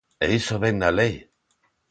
E iso vén na lei?